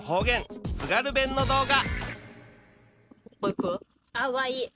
津軽弁の動画